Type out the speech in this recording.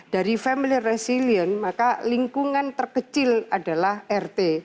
dari family resilient maka lingkungan terkecil adalah rt